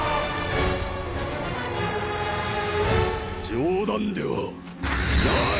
冗談ではない！